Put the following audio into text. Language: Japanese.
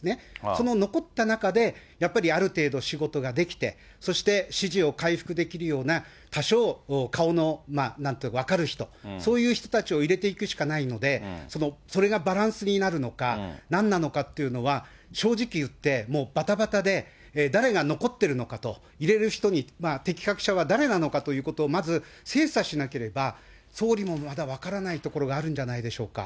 その残った中で、やっぱりある程度仕事ができて、そして支持を回復できるような、多少顔の、なんと言うか分かる人、そういう人たちを入れていくしかないので、それがバランスになるのか、なんなのかっていうのは、正直言って、もうばたばたで、誰が残ってるのかと、入れる人に、適格者は誰なのかということをまず精査しなければ、総理もまだ分からないところがあるんじゃないでしょうか。